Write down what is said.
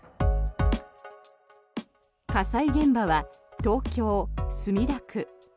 火災現場は東京・墨田区。